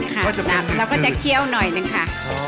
เราก็จะเคี่ยวหน่อยหนึ่งค่ะ